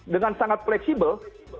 dengan sangat fleksibel